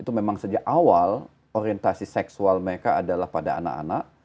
itu memang sejak awal orientasi seksual mereka adalah pada anak anak